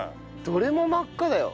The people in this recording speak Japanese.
どれも真っ赤だよ。